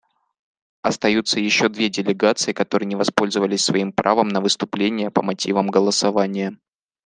Остаются еще две делегации, которые не воспользовались своим правом на выступление по мотивам голосования.